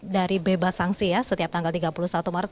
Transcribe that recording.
dari bebas sanksi ya setiap tanggal tiga puluh satu maret